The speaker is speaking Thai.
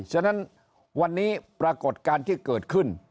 ฉะนั้นวันนี้ปรากฏการณ์ที่เกิดขึ้น